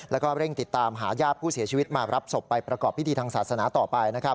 แล้วก็เร่งติดตามหาญาติผู้เสียชีวิตมารับศพไปประกอบพิธีทางศาสนาต่อไป